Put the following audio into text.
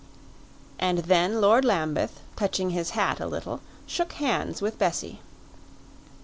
And then Lord Lambeth, touching his hat a little, shook hands with Bessie.